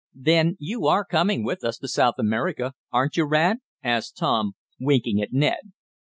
"Then you are coming with us to South America; aren't you, Rad?" asked Tom, winking at Ned.